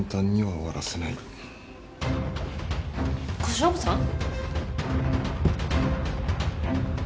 小勝負さん？